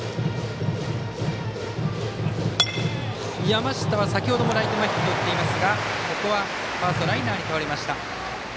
山下は先程ライト前ヒットを打っていますがここはファーストライナーに倒れました。